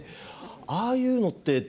ああいうのって